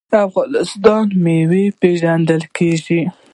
افغانستان په میوو پیژندل کیږي.